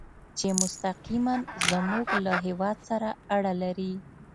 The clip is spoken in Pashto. چې مستقیماً زموږ له هېواد سره اړه لري.